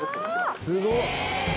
「すごっ」